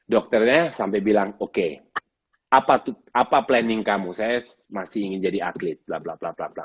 dokternya sampai bilang oke apa planning kamu saya masih ingin jadi atlet blablabla